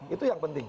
itu yang penting